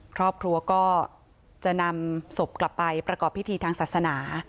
ครอบครัวก็จะนำศพกลับไปประกอบพิธีทางศาสนา